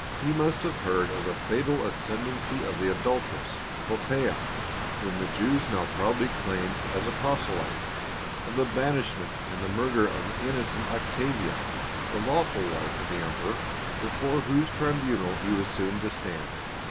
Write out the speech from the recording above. He must have heard of the fatal ascendancy of the adul teress, Poppaea, whom the Jews now proudly claimed as a proselyte ; of the banishment and murder of the innocent Octavia, the lawful wife of the emperor before whose tribunal he was soon to stand.